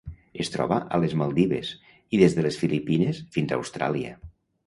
Es troba a les Maldives i des de les Filipines fins a Austràlia.